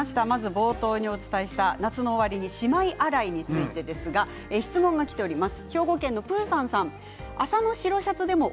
冒頭にお伝えした夏の終わりにしまい洗いについて質問がきています。